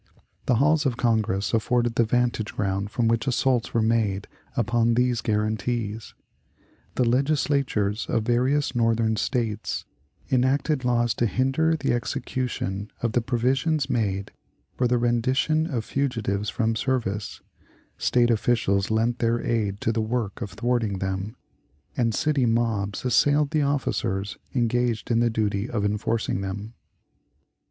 The halls of Congress afforded the vantage ground from which assaults were made upon these guarantees. The Legislatures of various Northern States enacted laws to hinder the execution of the provisions made for the rendition of fugitives from service; State officials lent their aid to the work of thwarting them; and city mobs assailed the officers engaged in the duty of enforcing them.